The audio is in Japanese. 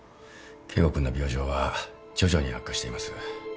圭吾君の病状は徐々に悪化しています。